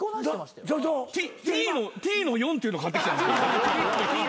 Ｔの４っていうの買ってきた。